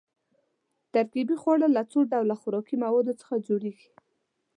ترکیبي خواړه له څو ډوله خوراکي موادو څخه جوړیږي.